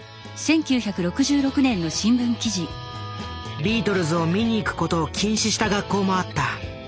ビートルズを見にいく事を禁止した学校もあった。